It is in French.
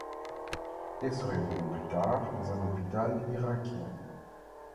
Elle se réveille plus tard dans un hôpital irakien.